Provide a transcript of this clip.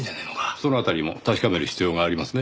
その辺りも確かめる必要がありますね。